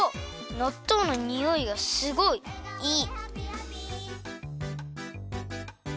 なっとうのにおいがすごいいい！